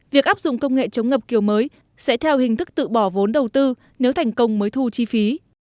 việc áp dụng công nghệ chống ngập kiểu mới sẽ theo hình thức tự bỏ vốn đầu tư nếu thành công mới thu chi phí